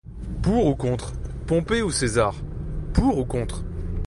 Pour ou contre Pompée ou César, pour ou contre